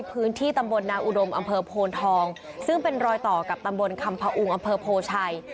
พื้นที่ตำบลนาอุดมอำเภอโพนทองซึ่งเป็นรอยต่อกับตำบลคำพออุงอำเภอโพชัย